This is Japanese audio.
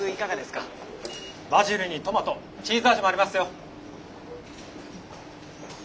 バジルにトマトチーズ味もありますよ。